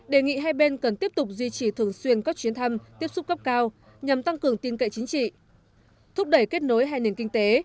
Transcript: đề nghị hai bên cần tiếp tục duy trì thường xuyên các chuyến thăm tiếp xúc cấp cao nhằm tăng cường tin cậy chính trị thúc đẩy kết nối hai nền kinh tế